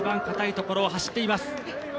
硬いところを走っています。